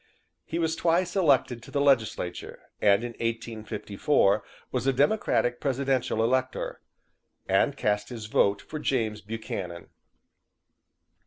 He was twice elected to the legislature, and in 1854 was a Democratic presidential elector, and cast his vote for James Buchanan.